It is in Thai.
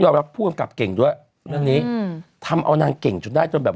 ยอมรับผู้กำกับเก่งด้วยแล้วนี้ทำเอานางเก่งจนได้จนแบบ